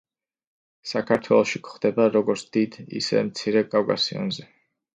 საქართველოში გვხვდება როგორც დიდ, ისე მცირე კავკასიონზე.